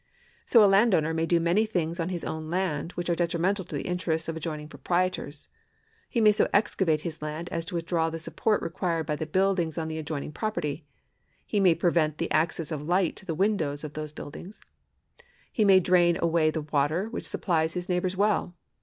So a landowner may do many things on his own land, which are detrimental to the interests of adjoining proprietors. He may so excavate his land as to withdraw the support required by the buildings on the adjoining property ; he may prevent the access of light to the windows 330 LIABILITY [§ L30 of those buildings ; he may drain away the water which suppHes his neighbour's well.